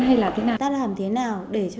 hay là thế nào ta làm thế nào để cho